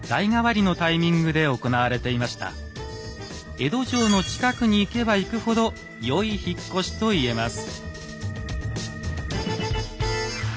江戸城の近くに行けば行くほど「良い引っ越し」と言えます。